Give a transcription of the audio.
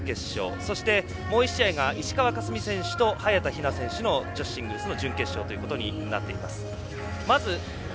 そして、もう１試合が石川佳純選手と早田ひな選手の女子シングルスの準決勝ということになっています。